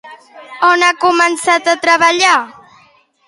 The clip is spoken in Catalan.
On ha començat a treballar?